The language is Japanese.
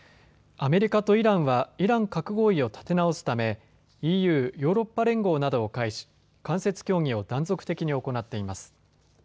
アメリカとイランはイラン核合意を立て直すためＥＵ・ヨーロッパ連合などを介し間接協議を断続的に行っています。